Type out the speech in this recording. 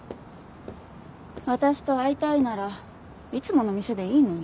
私と会いたいならいつもの店でいいのに。